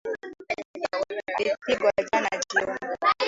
Alipigwa jana jioni.